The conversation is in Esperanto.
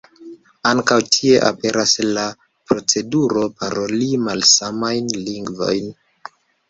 Ankaŭ tie aperas la proceduro paroli malsamajn lingvojn.